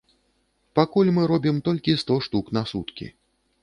Пакуль мы робім толькі сто штук на суткі.